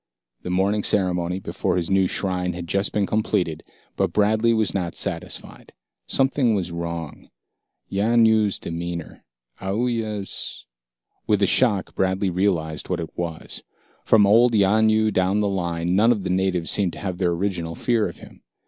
The morning ceremony before his new shrine had just been completed, but Bradley was not satisfied. Something was wrong. Yanyoo's demeanor, Aoooya's With a shock, Bradley realized what it was. From old Yanyoo down the line, none of the natives seemed to have their original fear of him.